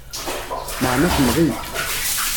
Meεna temɣi.